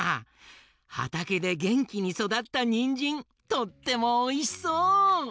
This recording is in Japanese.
はたけでげんきにそだったにんじんとってもおいしそう！